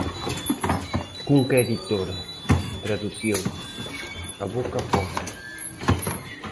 Cunca Editora. Tradución: "A boca pobre".